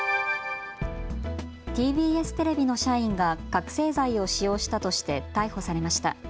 ＴＢＳテレビの社員が覚醒剤を使用したとして逮捕されました。